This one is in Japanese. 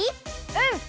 うん！